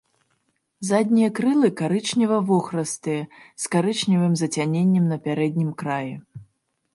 Заднія крылы карычнева-вохрыстыя, з карычневым зацяненнем на пярэднім краі.